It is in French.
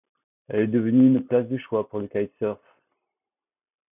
Elle est devenue une place de choix pour le kitesurf.